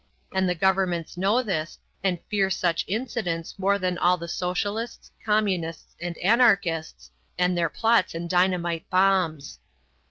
And the governments know this, and fear such incidents more than all the socialists, communists, and anarchists, and their plots and dynamite bombs.